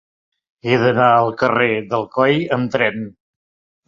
He d'anar al carrer d'Alcoi amb tren.